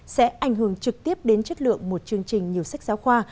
sẽ ảnh hưởng trực tiếp đến chất lượng một chương trình nhiều sách giáo khoa